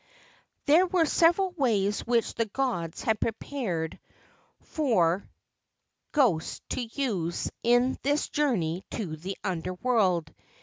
There were several ways which the gods had prepared for 246 DESCRIPTION ghosts to use in this journey to the Under world.